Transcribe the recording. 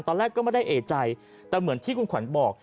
ตอนแรกก็ไม่ได้เอกใจแต่เหมือนที่คุณขวัญบอก